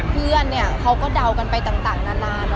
เพื่อนเนี่ยเขาก็เดากันไปต่างนาน